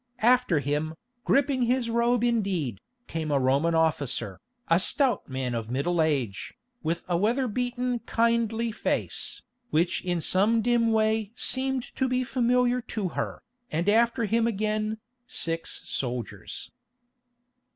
After him, gripping his robe indeed, came a Roman officer, a stout man of middle age, with a weather beaten kindly face, which in some dim way seemed to be familiar to her, and after him again, six soldiers.